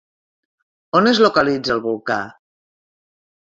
On es localitza el volcà?